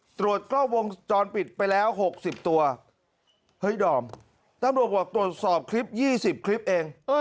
ตรวจกล้องวงจรปิดไปแล้ว๖๐ตัวเฮ้ยดอมตำรวจบอกตรวจสอบคลิป๒๐คลิปเอง